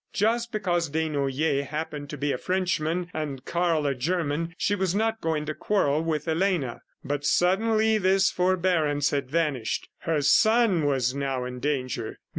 Just because Desnoyers happened to be a Frenchman and Karl a German, she was not going to quarrel with Elena. But suddenly this forbearance had vanished. Her son was now in danger.